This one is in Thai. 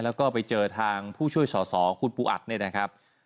แล้วก็ไปเจอทางผู้ช่วยส่อคุณปูอัตนะครับ